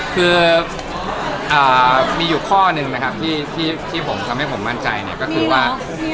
คือมีอยู่ข้อหนึ่งนะครับที่ผมทำให้ผมมั่นใจเนี่ยก็คือว่า